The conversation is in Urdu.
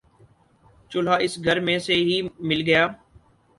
چولہا اس گھر میں سے ہی مل گیا